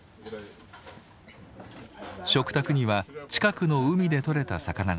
食卓には近くの海で獲れた魚が並びます。